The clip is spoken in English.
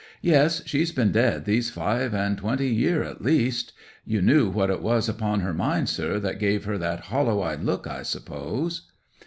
'Yes, she's been dead these five and twenty year at least. You knew what it was upon her mind, sir, that gave her that hollow eyed look, I suppose?